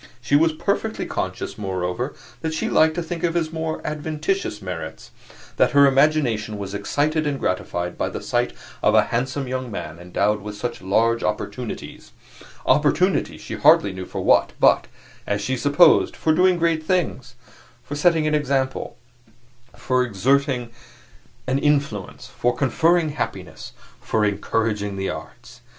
She was perfectly conscious, moreover, that she liked to think of his more adventitious merits; that her imagination was excited and gratified by the sight of a handsome young man endowed with such large opportunities opportunities she hardly knew for what, but, as she supposed, for doing great things for setting an example, for exerting an influence, for conferring happiness, for encouraging the arts.